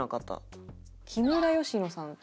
木村佳乃さんって。